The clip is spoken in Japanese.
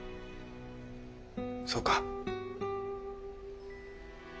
そうか。